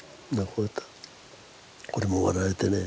これも割られてね。